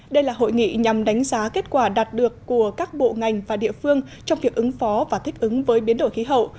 đây là hội nghị nhằm đánh giá kết quả đạt được của các bộ ngành và địa phương trong việc ứng phó và thích ứng với biến đổi khí hậu